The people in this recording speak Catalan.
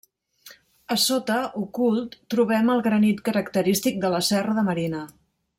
A sota, ocult, trobem el granit característic de la Serra de Marina.